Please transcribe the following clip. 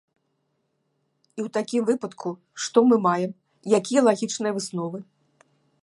І ў такім выпадку, што мы маем, якія лагічныя высновы?